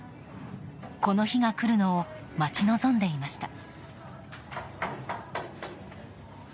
この日が来るのを待ち望んでいました。